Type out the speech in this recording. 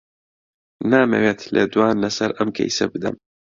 نامەوێت لێدوان لەسەر ئەم کەیسە بدەم.